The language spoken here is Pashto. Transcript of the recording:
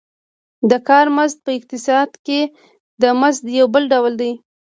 د کار مزد په اقتصاد کې د مزد یو بل ډول دی